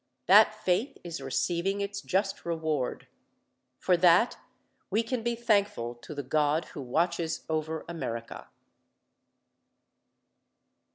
That faith is receiving its just reward. For that we can be thankful to the God who watches over America.